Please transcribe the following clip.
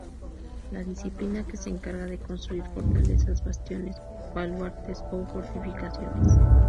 La disciplina que se encarga de construir fortalezas, bastiones, baluartes o fortificaciones.